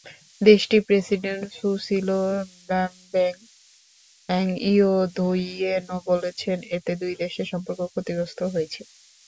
দেশটির president Susilo Bambang Yudhoyono বলেছেন, এতে দুই দেশের সম্পর্ক ক্ষতিগ্রস্ত হয়েছে।